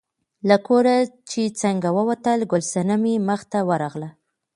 له کوره چې څنګه ووتل، ګل صنمې مخې ته ورغله.